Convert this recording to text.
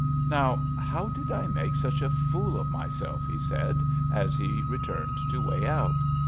Now, how did I make such a fool of my self? '' he said as he returned to weigh out.